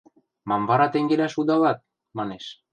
– Мам вара тенгелӓ шудалат? – манеш.